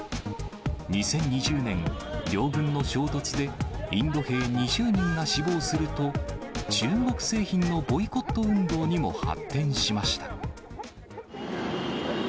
２０２０年、両軍の衝突でインド兵２０人が死亡すると、中国製品のボイコット運動にも発展しました。